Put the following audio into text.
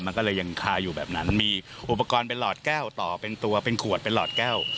มันก็เลยยังคาอยู่แบบนั้นมีอุปกรณ์เป็นหลอดแก้วต่อเป็นตัวเป็นขวดเป็นหลอดแก้ว